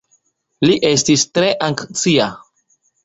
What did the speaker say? Li estis tre anksia.